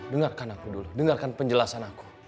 dengarkan aku dulu dengarkan penjelasan aku